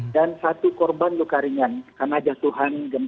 dan satu korban luka ringan karena jatuhan gempen